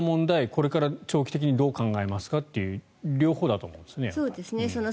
これから長期的にどう考えますかという両方だと思うんですね。